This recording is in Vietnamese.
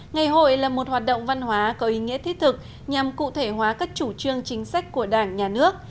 ngày hội là một hoạt động văn hóa có ý nghĩa thiết thực nhằm cụ thể hóa các chủ trương chính sách của đảng nhà nước